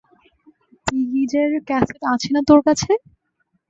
B গিজের cassette আছে না তোর কাছে?